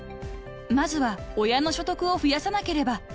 ［まずは親の所得を増やさなければ］